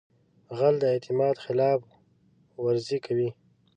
غل د اعتماد خلاف ورزي کوي